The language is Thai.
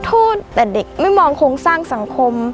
โทษแต่เด็กไม่มองโครงสร้างสังคม